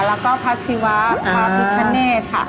แล้วก็พระศิวะพระพิกพะเนตค่ะ